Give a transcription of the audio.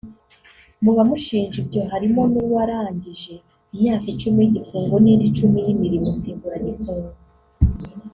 Mu bamushinja ibyo harimo n’uwarangije imyaka icumi y’igifungo n’indi icumi y’imirimo nsimburagifungo